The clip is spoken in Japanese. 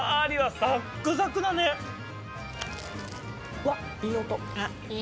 うわいい音。